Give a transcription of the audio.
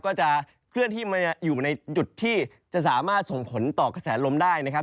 ก็จะเคลื่อนที่มาอยู่ในจุดที่จะสามารถส่งผลต่อกระแสลมได้นะครับ